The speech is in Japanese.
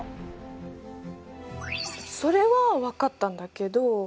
それは分かったんだけど。